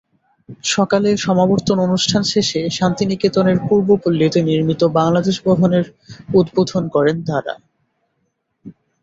সকালে সমাবর্তন অনুষ্ঠান শেষে শান্তিনিকেতনের পূর্বপল্লিতে নির্মিত বাংলাদেশ ভবনের উদ্বোধন করেন তাঁরা।